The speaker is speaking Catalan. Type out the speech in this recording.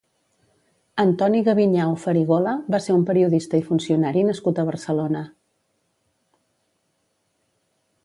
Antoni Gabinyau Farigola va ser un periodista i funcionari nascut a Barcelona.